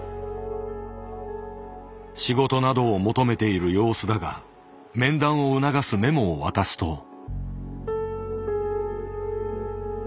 仕事などを求めている様子だが面談を促すメモを渡すと。